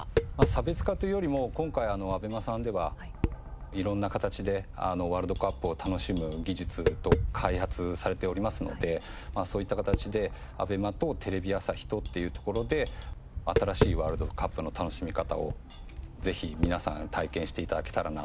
差別化というよりも今回ＡＢＥＭＡさんでは色んな形でワールドカップを楽しむ技術等開発されておりますのでそういった形でＡＢＥＭＡとテレビ朝日とっていうところで新しいワールドカップの楽しみ方をぜひ皆さん体験して頂けたらなと思います。